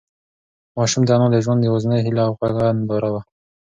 ماشوم د انا د ژوند یوازینۍ هيله او خوږه ننداره وه.